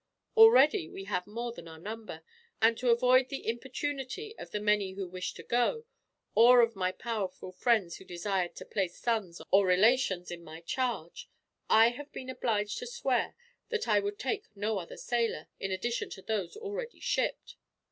Already we have more than our number, and to avoid the importunity of the many who wish to go, or of my powerful friends who desired to place sons or relations in my charge, I have been obliged to swear that I would take no other sailor, in addition to those already shipped.